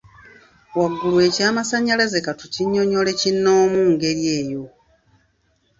Waggulu ekyamasannyalaze ka kitunnyonnyole kinomu ngeri eyo.